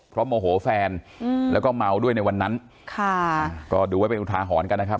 เพราะโมโหแฟนอืมแล้วก็เมาด้วยในวันนั้นค่ะก็ดูไว้เป็นอุทาหรณ์กันนะครับ